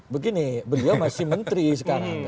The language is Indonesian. begini beliau masih menteri sekarang